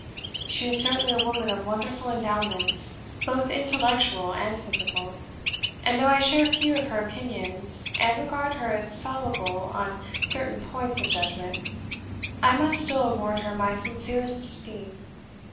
"She is certainly a woman of wonderful endowments, both intellectual and physical; and though I share few of her opinions, and regard her as fallible on certain points of judgment, I must still award her my sincerest esteem.